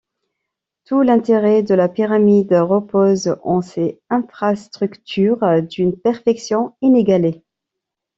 Tout l'intérêt de la pyramide repose en ses infrastructures, d'une perfection inégalée.